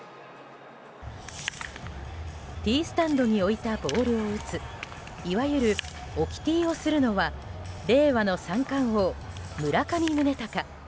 ティースタンドに置いたボールを打ついわゆる置きティーをするのは令和の三冠王・村上宗隆。